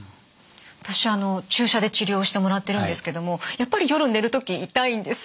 私注射で治療をしてもらってるんですけどもやっぱり夜寝る時痛いんです。